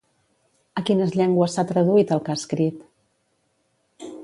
A quines llengües s'ha traduït el que ha escrit?